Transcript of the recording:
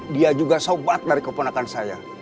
dia juga sobat dari keponakan saya